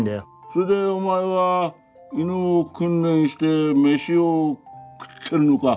それでお前は犬を訓練して飯を食ってるのか。